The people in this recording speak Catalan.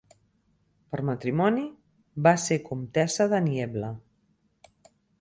Per matrimoni, va ser Comtessa de Niebla.